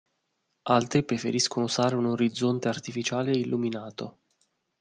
Altri preferiscono usare un orizzonte artificiale illuminato.